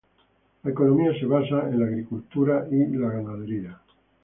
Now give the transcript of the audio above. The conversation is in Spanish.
La economía se basa en la agricultura y la ganadería.